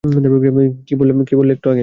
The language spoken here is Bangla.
কী বললে একটু আগে?